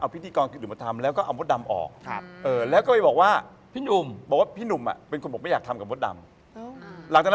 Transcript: ไปแล้วยังเอาเพราะละคร